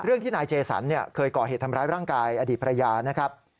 ที่นายเจสันเคยก่อเหตุทำร้ายร่างกายอดีตภรรยานะครับ